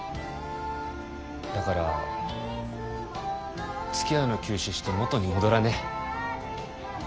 だからつきあうの休止して元に戻らね？